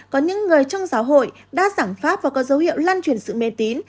có những người trong giáo hội đã giảng pháp và có dấu hiệu lan truyền sự mê tín